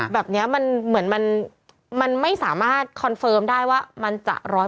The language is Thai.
แบบนี้มันเหมือนมันไม่สามารถคอนเฟิร์มได้ว่ามันจะ๑๐๐